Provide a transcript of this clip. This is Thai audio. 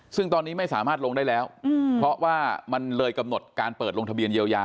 ซึ่งตอนนี้ไม่สามารถลงได้แล้วเพราะว่ามันเลยกำหนดการเปิดลงทะเบียนเยียวยา